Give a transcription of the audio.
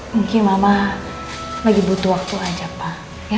mungkin mama lagi butuh waktu aja pak